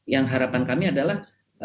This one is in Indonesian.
yang harapan kami adalah